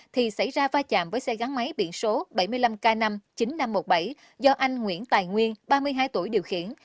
thì xảy ra va chạm với xe gắn máy biển số bảy mươi năm k năm chín nghìn năm trăm một mươi bảy do anh nguyễn tài nguyên ba mươi hai tuổi điều khiển